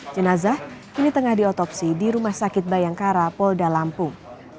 jenazah kini tengah diotopsi di rumah sakit bayangkara polda lampung